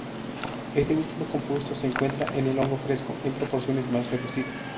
Este último compuesto se encuentra en el hongo fresco en proporciones más reducidas.